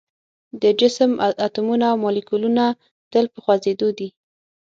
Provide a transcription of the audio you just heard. د جسم اتومونه او مالیکولونه تل په خوځیدو دي.